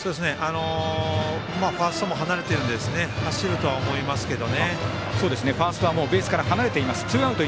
ファーストも離れているので走るとは思いますけど。